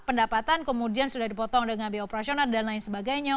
pendapatan kemudian sudah dipotong dengan biaya operasional dan lain sebagainya